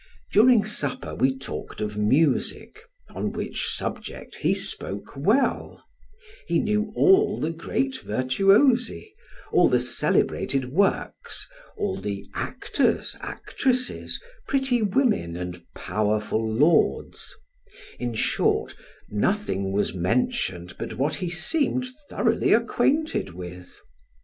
During supper we talked of music, on which subject he spoke well: he knew all the great virtuosi, all the celebrated works, all the actors, actresses, pretty women, and powerful lords; in short nothing was mentioned but what he seemed thoroughly acquainted with.